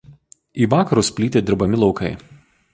Į vakarus plyti dirbami laukai.